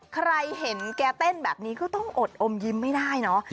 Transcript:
ใครเห็นแกเต้นแบบนี้ก็ต้องอดอมยิ้มไม่ได้เนอะ